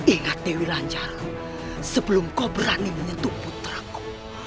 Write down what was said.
ingat dewi lanjar sebelum kau berani menyentuh putramu